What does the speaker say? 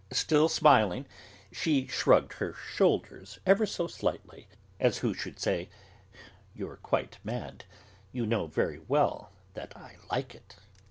Still smiling, she shrugged her shoulders ever so slightly, as who should say, "You're quite mad; you know very well that I like it."